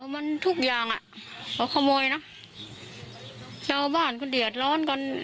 มันทุกอย่างอ่ะเขาขโมยนะชาวบ้านเขาเดือดร้อนกัน